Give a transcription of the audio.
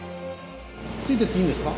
ついていっていいんですか？